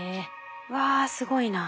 わすごいな。